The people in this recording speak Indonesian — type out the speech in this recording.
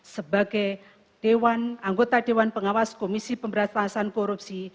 sebagai anggota dewan pengawas komisi pemberantasan korupsi